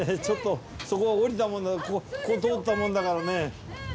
ちょっとそこを降りたもんでここ通ったもんだからね。